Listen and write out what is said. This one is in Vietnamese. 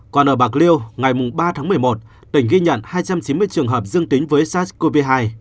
còn ở bạc liêu ngày ba tháng một mươi một tỉnh ghi nhận hai trăm chín mươi trường hợp dương tính với sars cov hai